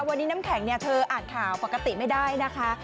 วันนี้น้ำแข็งเธออ่านข่าวปกติไม่ได้นะคะ